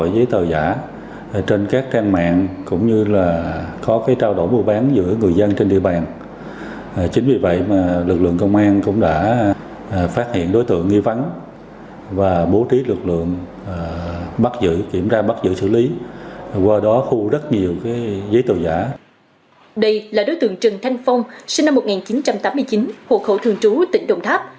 đây là đối tượng trần thanh phong sinh năm một nghìn chín trăm tám mươi chín hộ khẩu thường trú tỉnh đồng tháp